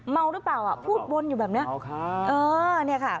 เมาหรือเปล่าอ่ะพูดวนอยู่แบบเนี้ยเออเนี่ยค่ะ